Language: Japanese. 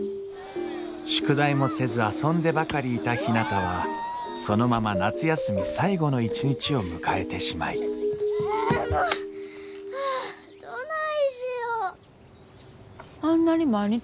宿題もせず遊んでばかりいたひなたはそのまま夏休み最後の一日を迎えてしまいあもう！